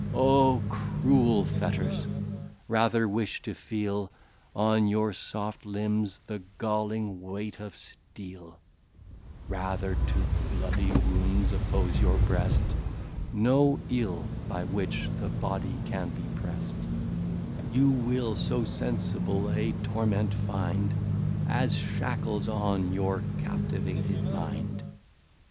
Oh Cruel Fetters! rather wish to feel, On your soft Limbs, the Gauling Weight of Steel; Rather to bloudy Wounds oppose your Breast No Ill, by which the Body can be prest; You will so sensible a Torment find, As Shackles on your captivated Mind.